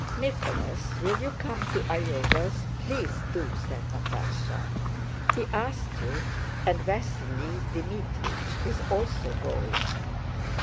"Nicholas, will you come to Iogel's? Please do!" said Natásha. "He asked you, and Vasíli Dmítrich * is also going."